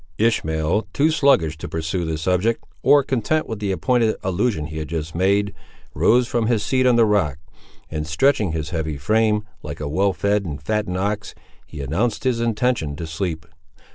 Ishmael, too sluggish to pursue the subject, or content with the pointed allusion he had just made, rose from his seat on the rock, and stretching his heavy frame, like a well fed and fattened ox, he announced his intention to sleep.